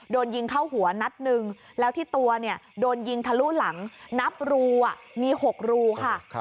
โดนยิงเข้าหัวนัดหนึ่งแล้วที่ตัวเนี่ยโดนยิงทะลุหลังนับรูมี๖รูค่ะ